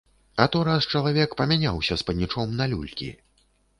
А то раз чалавек памяняўся з панічом на люлькі.